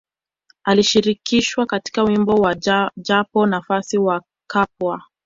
Alishirikishwa katika wimbo wa Japo Nafasi wa Cpwaa